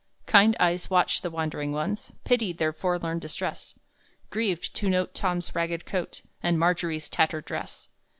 Kind eyes watched the wandering ones, Pitied their forlorn distress; Grieved to note Tom's ragged coat, And Margery's tattered dress.